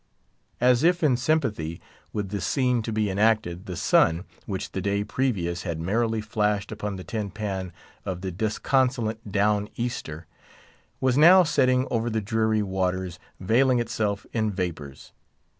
As if in sympathy with the scene to be enacted, the sun, which the day previous had merrily flashed upon the tin pan of the disconsolate Down Easter, was now setting over the dreary waters, veiling itself in vapours.